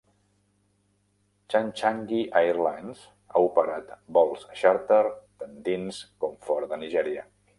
Chanchangi Airlines ha operat vols xàrter tant dins com fora de Nigèria.